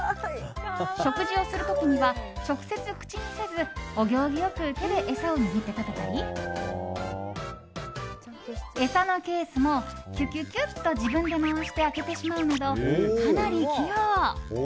食事をする時には直接口にせずお行儀よく手で餌を握って食べたり餌のケースもきゅきゅきゅっと自分で回して開けてしまうなど、かなり器用。